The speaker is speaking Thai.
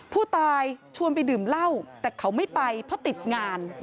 ผู้ตายชวนไปดื่มเหล้าแต่เขาไม่ไปเพราะติดงาน